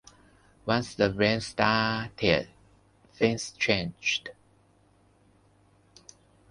Once the rain started things changed.